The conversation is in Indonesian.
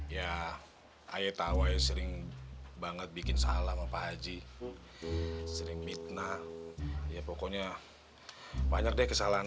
ya ayo tau ya sering banget bikin salah apa haji sering mitnah ya pokoknya banyak deh kesalahan